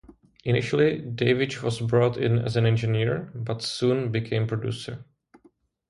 Initially, Davidge was brought in as engineer, but soon became producer.